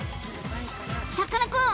さかなクン！